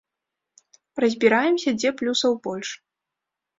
Разбіраемся, дзе плюсаў больш.